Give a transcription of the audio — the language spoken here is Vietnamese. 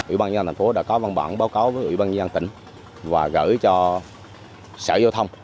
ủy ban nhân dân thành phố đã có văn bản báo cáo với ủy ban nhân dân tỉnh và gửi cho sở giao thông